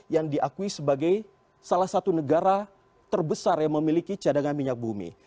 yang diakui sebagai salah satu negara terbesar yang memiliki cadangan minyak bumi